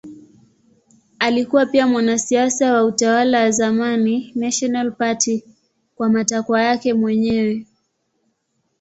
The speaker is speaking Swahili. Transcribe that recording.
Alikuwa pia mwanasiasa wa utawala wa zamani National Party kwa matakwa yake mwenyewe.